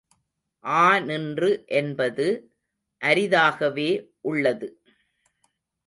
ஆநின்று என்பது அரிதாகவே உள்ளது.